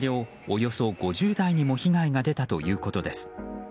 およそ５０台にも被害が出たということです。